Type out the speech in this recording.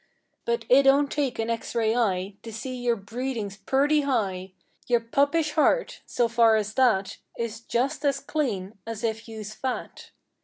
But it don't take an X ray eye To see your breedin's purty high— lour puppish heart, so far as that, Is just as clean as if you's fat.